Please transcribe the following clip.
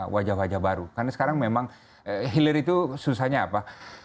wajah wajah baru karena sekarang memang hilir itu susahnya apa